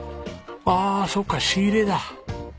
あそうか仕入れだ。